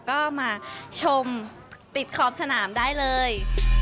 ก็มาชมติดขอบสนามได้เลย